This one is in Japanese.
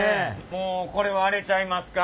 もうこれはあれちゃいますか？